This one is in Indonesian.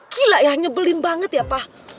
gila ya nyebelin banget ya pak